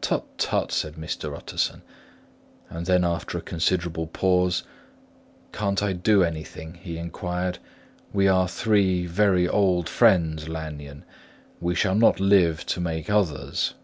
"Tut, tut!" said Mr. Utterson; and then after a considerable pause, "Can't I do anything?" he inquired. "We are three very old friends, Lanyon; we shall not live to make others."